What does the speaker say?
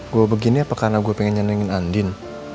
gue begini apa karena gue pengen nyenengin andin